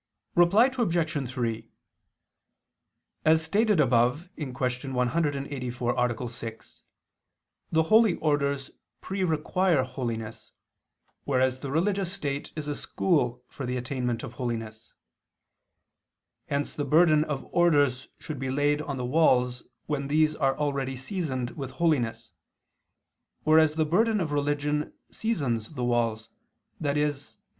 Reply Obj. 3: As stated above (Q. 184, A. 6) the holy orders prerequire holiness, whereas the religious state is a school for the attainment of holiness. Hence the burden of orders should be laid on the walls when these are already seasoned with holiness, whereas the burden of religion seasons the walls, i.e.